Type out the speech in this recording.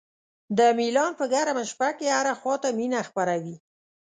د میلان په ګرمه شپه کې هره خوا ته مینه خپره وي.